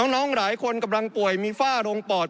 หลายคนกำลังป่วยมีฝ้าลงปอด